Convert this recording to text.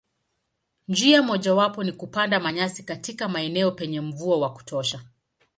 Njia mojawapo ni kupanda manyasi katika maeneo penye mvua wa kutosha.